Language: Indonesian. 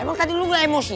emang tadi lu ga emosian